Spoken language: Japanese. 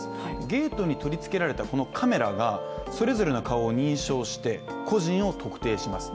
ゲートに取り付けられたこのカメラがそれぞれの顔を認証して個人を特定します。